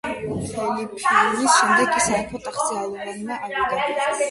თელიფინუს შემდეგ კი სამეფო ტახტზე ალუვამნა ავიდა.